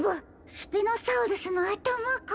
スピノサウルスのあたまか。